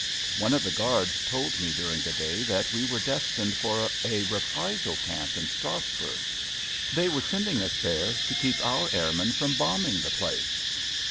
One of the guards told me during the day that we were destined for a reprisal camp in Strassburg. They were sending us there to keep our airmen from bombing the place.